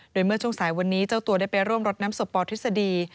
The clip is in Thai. โดยเมื่อช่วงสายวันนี้เจ้าตัวได้ไปร่วมรดน้ำศพปทฤษฎี